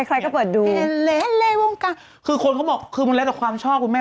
ก็เปิดดูคือคนเขาบอกคือมันแล้วแต่ความชอบคุณแม่